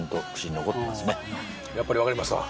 やっぱり分かりますか？